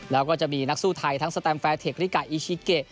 แล้วก็จะมีนักสู้ไทยทั้งสแตมแฟร์เทคริกะอีชิเกะ